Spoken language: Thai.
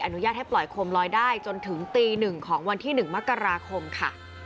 อนุญาตให้ปล่อยโคมลอยได้จนถึงตี๑ของวันที่๑มกราคมค่ะ